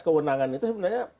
kewenangan itu sebenarnya